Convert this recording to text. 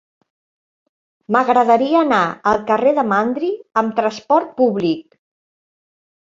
M'agradaria anar al carrer de Mandri amb trasport públic.